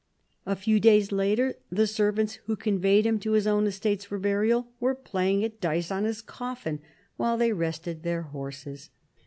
A few days later, the servants who conveyed him to his own estates for burial were playing at dice on his coffin while they rested their horses..